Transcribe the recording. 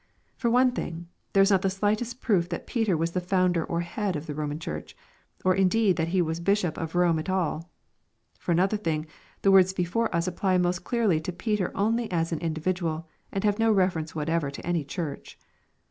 For one thing, there is not the slightest proof that Peter was the founder or head of the Roman Church ; or indeed that he was Bishop of Bome at alL For another thing, the words before us apply most clearly to Peter only as an indi vidual, and have no reference whatever to any church.